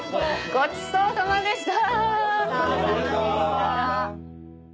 ごちそうさまでした！